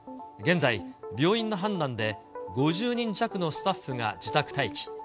現在、病院の判断で５０人弱のスタッフが自宅待機。